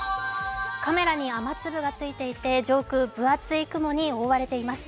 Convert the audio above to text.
カメラに雨粒がついていて上空、分厚い雲に覆われています。